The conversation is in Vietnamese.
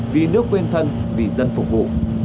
vì nước quên thân vì dân phục vụ